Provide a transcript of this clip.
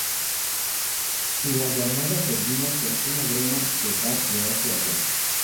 La llamada termina con una broma que Bart le hace a Jack.